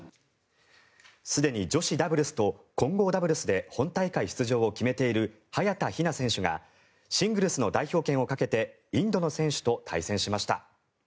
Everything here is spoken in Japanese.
すでに女子ダブルスと混合ダブルスで本大会出場を決めている早田ひな選手がシングルスの代表権をかけてインドの選手と対戦しました。